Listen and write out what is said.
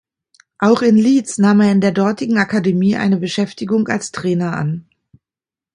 Auch in Leeds nahm er in der dortigen Akademie eine Beschäftigung als Trainer an.